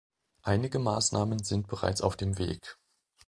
Einige Maßnahmen sind bereits auf dem Weg.